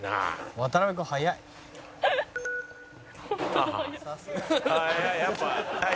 「渡辺君早い」「早い。